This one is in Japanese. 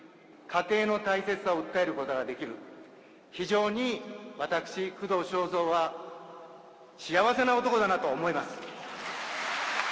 家庭の大切さを訴えることができる、非常に私、工藤彰三は幸せな男だなと思います。